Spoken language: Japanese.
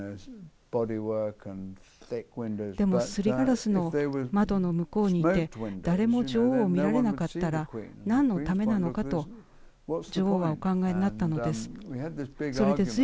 でもすりガラスの窓の向こうにいて誰も女王を見られなかったらなんのためなのかと女王はお考えになったのです。